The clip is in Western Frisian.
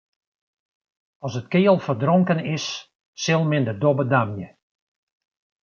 As it keal ferdronken is, sil men de dobbe damje.